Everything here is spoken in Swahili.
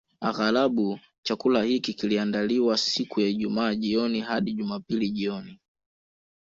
Aghalabu chakula hiki kiliandaliwa siku ya Ijumaa jioni hadi Jumapili jioni